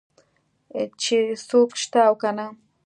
چې څوک شته او که نه.